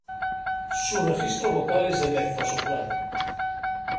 Sus registro vocal es de mezzosoprano.